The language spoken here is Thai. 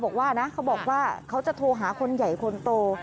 เขาบอกว่าเขาจะโทรหาคนใหญ่คนโต